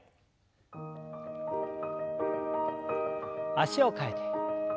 脚を替えて。